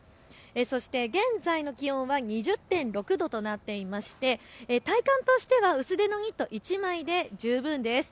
そして現在の気温は２０．６度となっていて体感としては薄手のニット１枚で十分です。